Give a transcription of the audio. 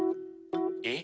えっ？